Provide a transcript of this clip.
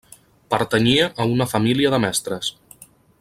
Pertanyia a una família de mestres.